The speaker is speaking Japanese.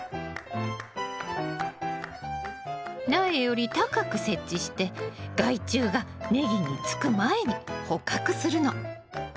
苗より高く設置して害虫がネギにつく前に捕獲するの！